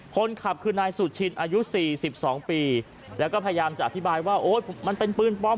คนขับคือนายสุชินอายุ๔๒ปีแล้วก็พยายามจะอธิบายว่าโอ๊ยมันเป็นปืนปลอม